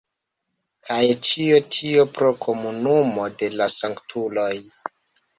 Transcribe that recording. Kaj ĉio tio pro Komunumo de la Sanktuloj.